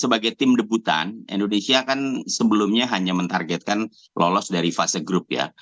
sebagai tim debutan indonesia kan sebelumnya hanya mentargetkan lolos dari fase grup ya